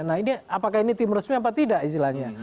apakah ini tim resmi apa tidak istilahnya